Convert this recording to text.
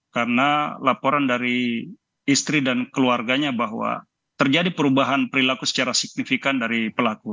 karena laporan dari istri dan keluarganya bahwa terjadi perubahan perilaku secara signifikan dari pelaku